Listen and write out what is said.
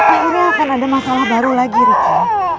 akhirnya akan ada masalah baru lagi reki